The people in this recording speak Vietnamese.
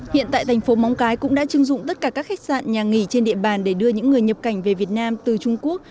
hiện tại thành phố móng cái cũng đã chưng dụng tất cả các khách sạn nhà nghỉ trên địa bàn để đưa những người nhập cảnh về việt nam từ trung quốc